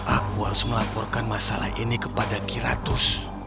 aku harus melaporkan masalah ini kepada kiratus